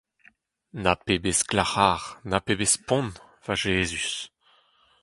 Na pebezh glac’har ! na pebezh spont, va Jezuz !